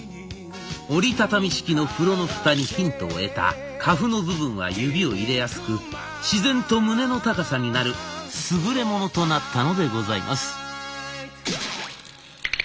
折り畳み式の風呂のフタにヒントを得たカフの部分は指を入れやすく自然と胸の高さになる優れものとなったのでございます。